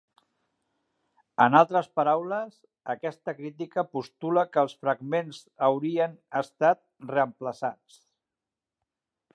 En altres paraules, aquesta crítica postula que els fragments haurien estat reemplaçats.